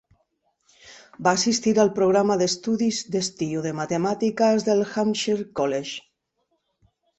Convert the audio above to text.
Va assistir al programa d'estudis d'estiu de matemàtiques del Hampshire College.